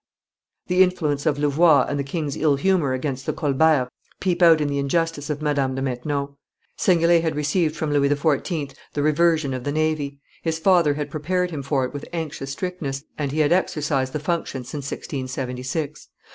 The influence of Louvois and the king's ill humor against the Colberts peep out in the injustice of Madame de Maintenon. Seignelay had received from Louis XIV. the reversion of the navy; his father had prepared him for it with anxious strictness, and he had exercised the functions since 1676.